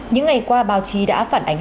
những ngày qua báo chí đã phản ảnh